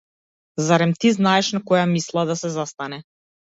Зарем ти знаеш на која мисла да се застане!